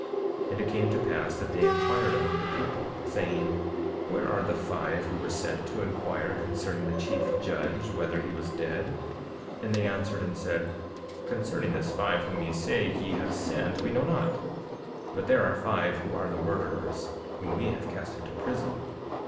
9:12 And it came to pass that they inquired among the people, saying: Where are the five who were sent to inquire concerning the chief judge whether he was dead? And they answered and said: Concerning this five whom ye say ye have sent, we know not; but there are five who are the murderers, whom we have cast into prison.